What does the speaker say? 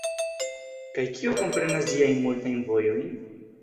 Kaj kiu komprenas ĝiajn multajn vojojn?